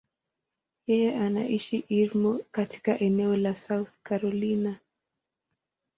Yeye anaishi Irmo, katika eneo la South Carolina.